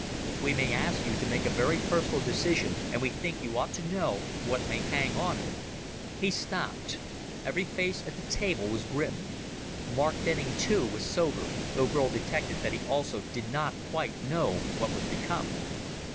We may ask you to make a very personal decision, and we think you ought to know what may hang on it." He stopped. Every face at the table was grim. Mark Denning, too, was sober, though Burl detected that he also did not quite know what was to come.